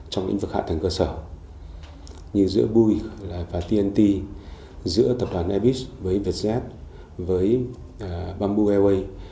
trong lĩnh vực hạ tầng cơ sở như giữa bui và tnt giữa tập đoàn abis với vietjet với bamboo airways